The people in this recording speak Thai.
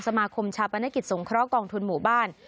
สมาคมชาวบัญชากรกองทุนหมู่บ้าน